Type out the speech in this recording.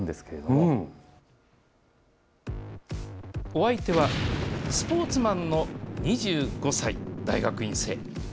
お相手は、スポーツマンの２５歳、大学院生。